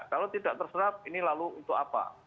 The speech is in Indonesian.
kalau tidak terserap ini lalu untuk apa